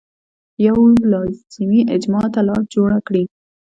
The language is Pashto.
یوې لازمي اجماع ته لار جوړه کړي.